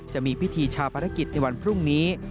จะมีพิธีชาปนกิจในวันพรุ่งนี้